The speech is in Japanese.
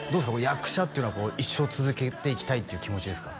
役者っていうのは一生続けていきたいっていう気持ちですか？